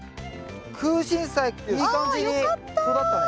クウシンサイいい感じに育ったね。